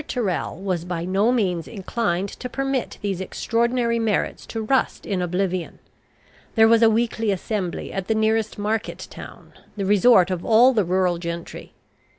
Tyrrel was by no means inclined to permit these extraordinary merits to rust in oblivion. There was a weekly assembly at the nearest market town, the resort of all the rural gentry.